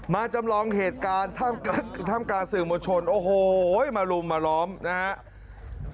มาจำลองเหตุการณ์ท่ามการสื่อโมชนโอ้โฮมาลุมมาล้อมนะฮะ